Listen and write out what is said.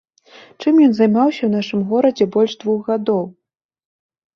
Чым ён займаўся ў нашым горадзе больш двух гадоў?